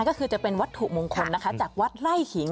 ก็คือจะเป็นวัตถุมงคลนะคะจากวัดไล่ขิง